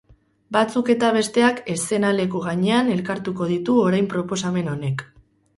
Batzuk eta besteak eszenaleku gainean elkartuko ditu orain proposamen honek.